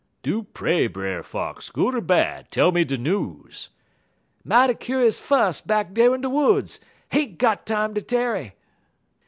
"'Do pray, Brer Fox, good er bad, tell me de news.' "'Mighty kuse fuss back dar in de woods! Ain't got time ter tarry!'